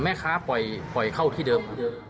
แม่ค้าปล่อยเข้าที่เดิม